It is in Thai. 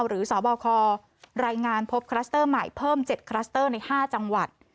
สบครายงานพบคลัสเตอร์ใหม่เพิ่ม๗คลัสเตอร์ใน๕จังหวัด